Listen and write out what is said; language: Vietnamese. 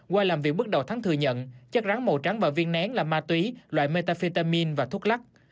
qua làm việc bước đầu thắng thừa nhận chất rắn màu trắng và viên nén là ma túy loại metafetamin và thuốc lắc